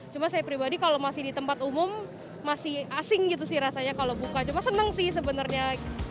cuma saya pribadi kalau masih di tempat umum masih asing gitu sih rasanya kalau buka cuma seneng sih sebenarnya